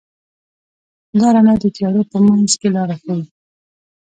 دا رڼا د تیارو په منځ کې لاره ښيي.